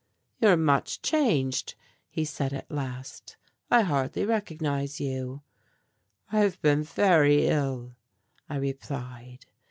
"You are much changed," he said at last. "I hardly recognize you." "I have been very ill," I replied.